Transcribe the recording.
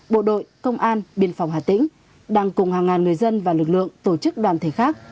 bộ đội công an biên phòng hà tĩnh đang cùng hàng ngàn người dân và lực lượng tổ chức đoàn thể khác